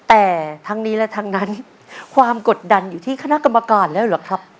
แต่ทั้งนี้และทั้งนั้นความกดดันอยู่ที่คณะกรรมการแล้วเหรอครับ